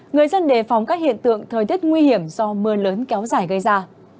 người dân đề phóng các hiện tượng thời tiết nguy hiểm do mưa lớn kéo dài gây ra